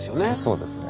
そうですね。